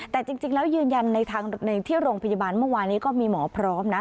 แต่จริงแล้วยืนยันในทางหนึ่งที่โรงพยาบาลเมื่อวานนี้ก็มีหมอพร้อมนะ